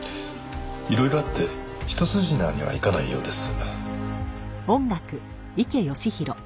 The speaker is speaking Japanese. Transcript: いろいろあって一筋縄にはいかないようです。